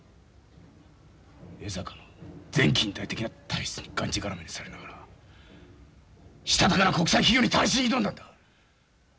江坂の前近代的な体質にがんじがらめにされながらしたたかな国際企業に単身挑んだんだ！